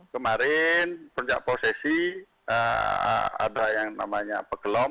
kemarin puncak prosesi ada yang namanya pekelom